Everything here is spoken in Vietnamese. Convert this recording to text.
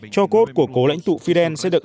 cho cốt của cố lãnh tụ fidel sẽ được